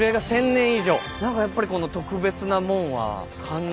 何かやっぱりこの特別なもんは感じますよね。